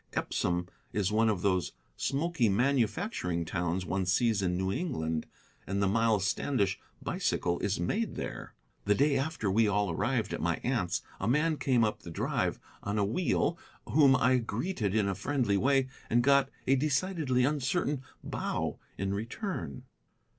Epsom is one of those smoky manufacturing towns one sees in New England, and the 'Miles Standish' bicycle is made there. The day after we all arrived at my aunt's a man came up the drive on a wheel whom I greeted in a friendly way and got a decidedly uncertain bow in return.